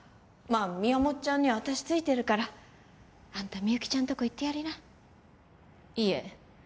あみやもっちゃんには私ついてるからあんたみゆきちゃんとこ行ってやりないえ